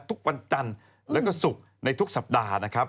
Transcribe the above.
ทุกวันจันทร์แล้วก็ศุกร์ในทุกสัปดาห์นะครับ